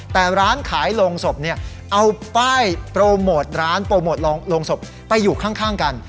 แต่ร้านขายโรงศพเนี่ยเอาป้ายโปรโมทร้านโปรโมทโรงศพไปอยู่ข้างกัน